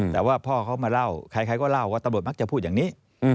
แต่ว่าพ่อเขามาเล่าใครก็เล่าว่าตำรวจมักจะพูดอย่างนี้